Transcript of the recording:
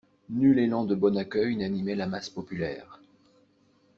Nul élan de bon accueil n'animait la masse populaire.